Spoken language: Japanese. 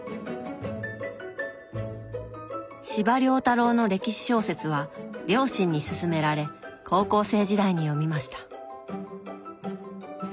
司馬遼太郎の歴史小説は両親にすすめられ高校生時代に読みました。